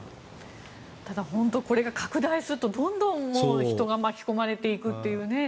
ただ、本当にこれが拡大するとどんどん人が巻き込まれていくというね。